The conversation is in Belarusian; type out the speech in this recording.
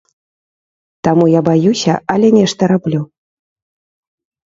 Таму я баюся, але нешта раблю.